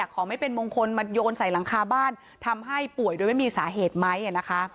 ของไม่เป็นมงคลมาโยนใส่หลังคาบ้านทำให้ป่วยโดยไม่มีสาเหตุไหมนะคะ